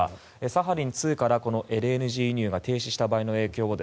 サハリン２からＬＮＧ輸入が停止した場合の影響